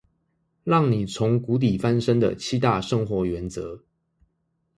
讓你從谷底翻身的七大生活原則